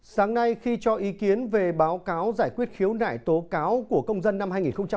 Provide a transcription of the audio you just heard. sáng nay khi cho ý kiến về báo cáo giải quyết khiếu nại tố cáo của công dân năm hai nghìn hai mươi ba